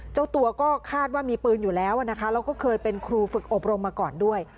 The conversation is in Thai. เจ้าตัวก็คาดว่ามีปืนอยู่แล้วนะคะแล้วก็เคยเป็นครูฝึกอบรมมาก่อนด้วย